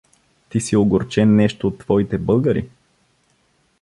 — Ти си огорчен нещо от твоите българи?